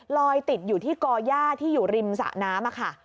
ลอยติดอยู่ที่ก่อย่าที่อยู่ริมสะน้ำค่ะ